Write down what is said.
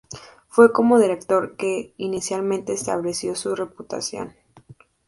Fue como director que inicialmente estableció su reputación.